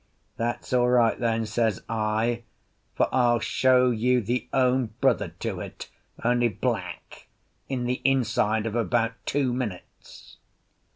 "That's all right, then," says I; "for I'll show you the own brother to it, only black, in the inside of about two minutes."